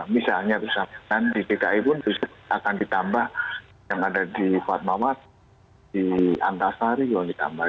misalnya bersamaan di dki pun akan ditambah yang ada di fatmawat di antasari kalau ditambah